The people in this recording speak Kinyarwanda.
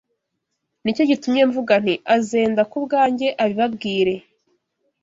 ni cyo gitumye mvuga nti: Azenda ku byanjye, abibabwire